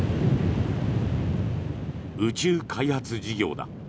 宇宙開発事業だ。